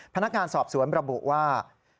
พนักงานสอบสวนระบุว่า